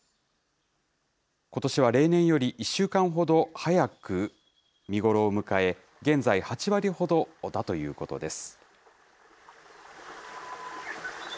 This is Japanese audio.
ことしは例年より１週間ほど早く見頃を迎え、現在８割ほどだということです。